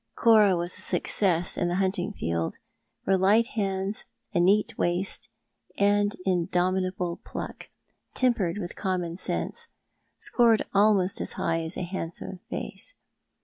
Cora was a success in *'For is not God All Mighty?'' 333 the luinting field, where light hands, a reat waist, and in domitable pluck, tempered with common sense, scored almost as high as a handsome face.